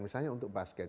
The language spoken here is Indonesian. misalnya untuk basket